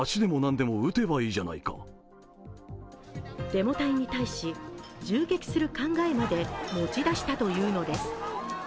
デモ隊に対し、銃撃する考えまで持ち出したというのです。